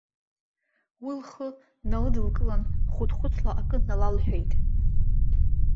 Уи лхы налыдылкылан хәыҭхәыҭла акы налалҳәеит.